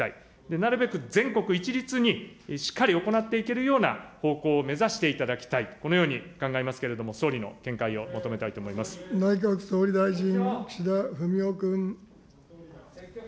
なるべく全国一律にしっかり行っていけるような方向を目指していただきたいと、このように考えますけれども、総理の見解を求めた内閣総理大臣、岸田文雄君。